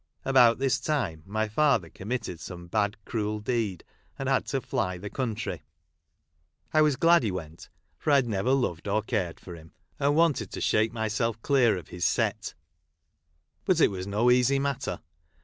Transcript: About this time, my father committed some bad cruel deed, and had to fly the country. I was glad he went ; for I had never loved or cared for him, and wanted to shake myself clear of his set. But it was no easy matter.